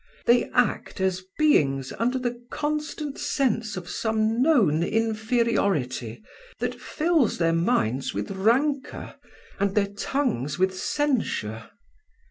They act as beings under the constant sense of some known inferiority that fills their minds with rancour and their tongues with censure.